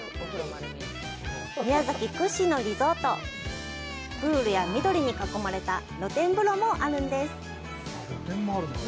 宮崎屈指のリゾート、プールや緑に囲まれた露天風呂もあるんです。